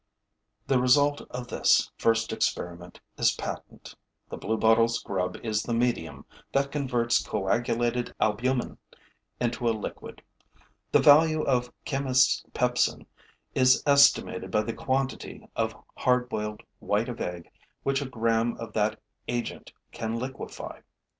The result of this first experiment is patent: the Bluebottle's grub is the medium that converts coagulated albumen into a liquid. The value of chemist's pepsin is estimated by the quantity of hard boiled white of egg which a gram of that agent can liquefy.